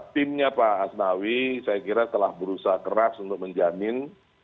timnya pak asnawi saya kira telah berusaha keras untuk menjamin